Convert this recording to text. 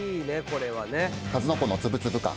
数の子の粒々感